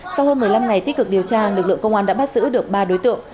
sau hơn một mươi năm ngày tích cực điều tra lực lượng công an đã bắt giữ được ba đối tượng